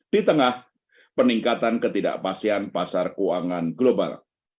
di tengah peningkatan ketidakpastian pasar keuangan global